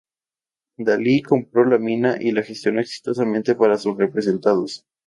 Daly compró la mina y la gestionó exitosamente para sus representados.